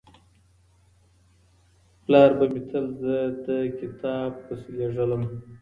پلار به مې تل زه د کتاب پسې لېږلم.